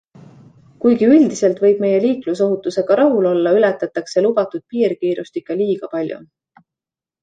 Kuigi üldiselt võib meie liiklusohutusega rahul olla, ületatakse lubatud piirkiirust ikka liiga palju.